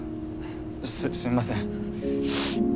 すすみません。